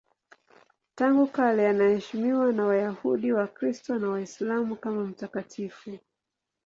Tangu kale anaheshimiwa na Wayahudi, Wakristo na Waislamu kama mtakatifu.